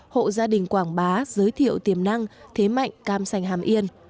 hộ gia đình quảng bá giới thiệu tiềm năng thế mạnh cam sành hàm yên